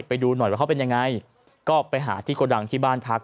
ไปดูหน่อยว่าเขาเป็นยังไงก็ไปหาที่โกดังที่บ้านพัก